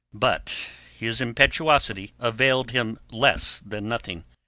But his impetuosity availed him less than nothing.